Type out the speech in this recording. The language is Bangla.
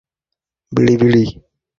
আপনার ছোট লেখাগুলো ভালো।